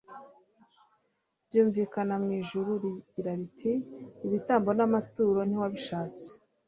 ryumvikana mu ijuru rigira riti: "Ibitambo n'amaturo ntiwabishatse,